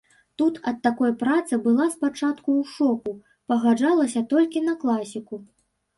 Тут ад такой працы была спачатку ў шоку, пагаджалася толькі на класіку.